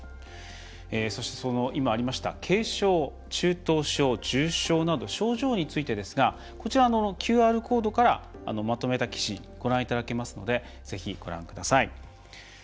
そして、今ありました軽症、中等症、重症など症状についてですがこちらのＱＲコードからまとめた記事ご覧いただけますのでぜひご覧ください。